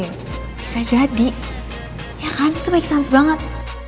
bisa jadi ya kan itu make sense banget